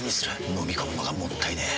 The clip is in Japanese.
のみ込むのがもったいねえ。